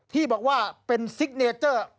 ที่บอกว่าเป็นซิกเนเจอร์